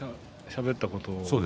しゃべったこと。